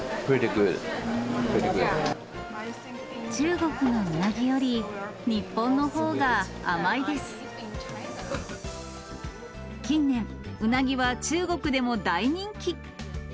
中国のうなぎより、日本のほ近年、うなぎは中国でも大人気。